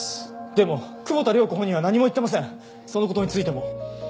でも久保田涼子本人は何も言ってませんその事についても。